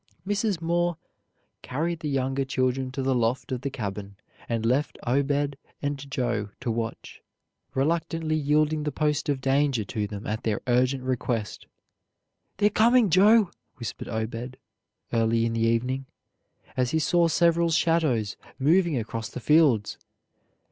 Mrs. Moore carried the younger children to the loft of the cabin, and left Obed and Joe to watch, reluctantly yielding the post of danger to them at their urgent request. "They're coming, Joe!" whispered Obed early in the evening, as he saw several shadows moving across the fields.